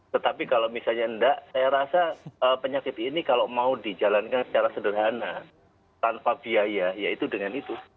tetapi kalau misalnya enggak saya rasa penyakit ini kalau mau dijalankan secara sederhana tanpa biaya ya itu dengan itu